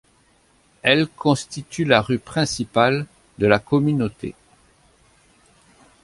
L' constitue la rue principale de la communauté.